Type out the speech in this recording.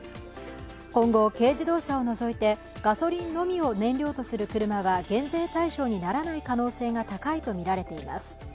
今後、軽自動車を除いてガソリンのみを燃料とする車は減税対象にならない可能性が高いとみられています。